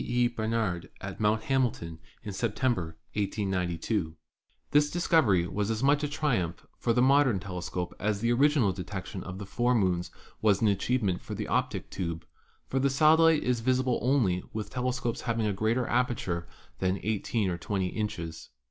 E. Bar nard at Mt. Hamilton in September, 1892. This dis covery was as much a triumph for the modern telescope as the original detection of the four moons was an achievement for the "Optick Tube," for the satellite is visible only with telescopes having a greater aperture than 18 or 20 inches.